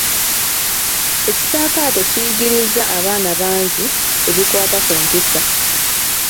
Ekisaakate kiyigirizza abaana bangi ebikwata ku mpisa.